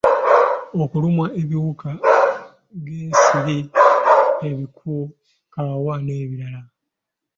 Okulumwa ebiwuka ng’ensiri, ebiku, kawawa n’ebirala.